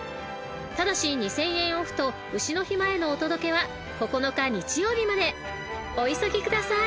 ［ただし２，０００円オフと丑の日前のお届けは９日日曜日までお急ぎください］